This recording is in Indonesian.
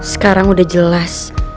sekarang udah jelas